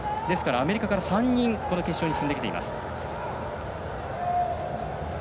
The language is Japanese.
アメリカから３人この決勝に進んできています。